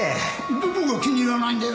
どこが気に入らないんだよ？